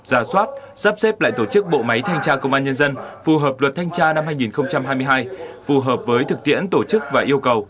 giả soát sắp xếp lại tổ chức bộ máy thanh tra công an nhân dân phù hợp luật thanh tra năm hai nghìn hai mươi hai phù hợp với thực tiễn tổ chức và yêu cầu